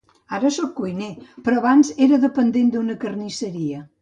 Ara soc cuiner, però abans era dependent d'una carnisseria.